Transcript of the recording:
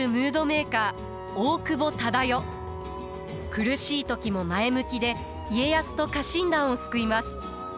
苦しい時も前向きで家康と家臣団を救います。